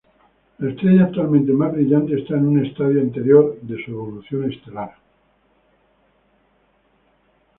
La estrella actualmente más brillante está en un estadio anterior de su evolución estelar.